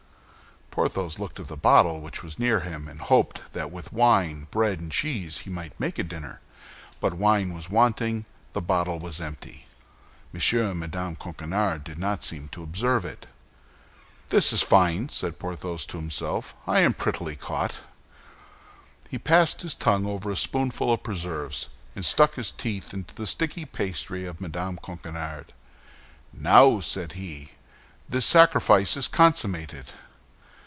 Porthos looked at the bottle, which was near him, and hoped that with wine, bread, and cheese, he might make a dinner; but wine was wanting, the bottle was empty. M. and Mme. Coquenard did not seem to observe it. "This is fine!" said Porthos to himself; "I am prettily caught!" He passed his tongue over a spoonful of preserves, and stuck his teeth into the sticky pastry of Mme. Coquenard. "Now," said he, "the sacrifice is consummated!